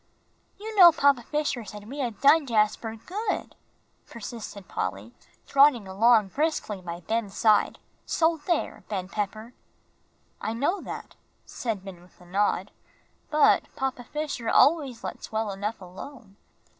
"You know Papa Fisher said we had done Jasper good," persisted Polly, trotting along briskly by Ben's side, "so there, Ben Pepper." "I know that," said Ben, with a nod. "But Papa Fisher always lets well enough alone.